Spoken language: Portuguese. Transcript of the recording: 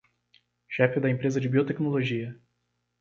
Chefe da empresa de biotecnologia